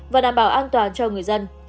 và đảm bảo an toàn cho người dân